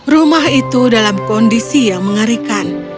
rumah itu dalam kondisi yang mengerikan